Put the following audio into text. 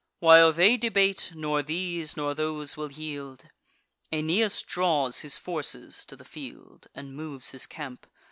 While they debate, nor these nor those will yield, Aeneas draws his forces to the field, And moves his camp.